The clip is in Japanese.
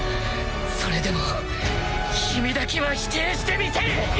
それでも君だけは否定してみせる！